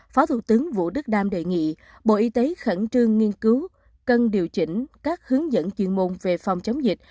phó thủ tướng vũ đức đam đề nghị bộ y tế khẩn trương nghiên cứu cần điều chỉnh các hướng dẫn chuyên môn về phòng chống dịch